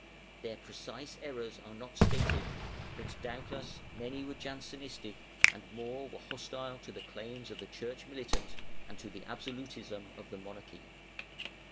Their precise errors are not stated, but doubtless many were Jansenistic and more were hostile to the claims of the Church Militant and to the absolutism of the monarchy.